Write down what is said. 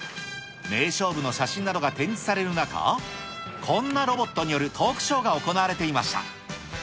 名勝負の写真などが展示される中、こんなロボットによるトークショーが行われていました。